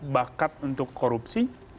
bakat untuk korupsi